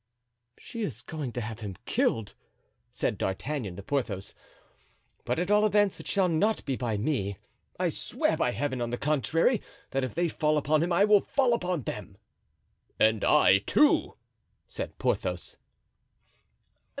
("She is going to have him killed," said D'Artagnan to Porthos, "but at all events it shall not be by me. I swear to Heaven, on the contrary, that if they fall upon him I will fall upon them." "And I, too," said Porthos.)